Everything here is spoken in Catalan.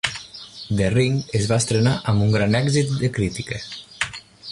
"The Ring" es va estrenar amb un gran èxit de crítica.